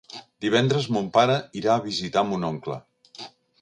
Divendres mon pare irà a visitar mon oncle.